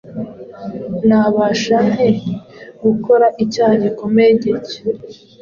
Nabasha nte gukora icyaha gikomeye gityo,